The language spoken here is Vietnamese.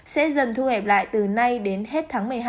sẽ dần thu hẹp lại từ nay đến hết tháng một mươi hai